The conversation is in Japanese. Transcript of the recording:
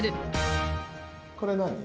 これ何？